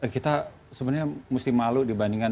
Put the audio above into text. kita sebenarnya mesti malu dibandingkan